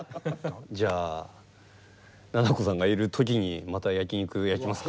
じゃあ菜々子さんがいる時にまた焼き肉焼きますか。